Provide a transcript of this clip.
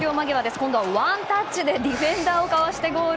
今度はワンタッチでディフェンダーをかわしてゴール。